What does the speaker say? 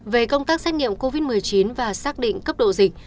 về công tác xét nghiệm covid một mươi chín và xác định cấp độ dịch